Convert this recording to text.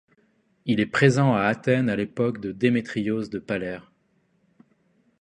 Il est présent à Athènes à l'époque de Démétrios de Phalère.